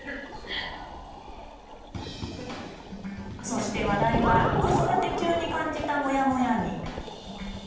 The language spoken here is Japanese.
そして話題は子育て中に感じたモヤモヤに。